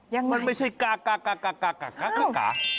ยังไงมันไม่ใช่กากา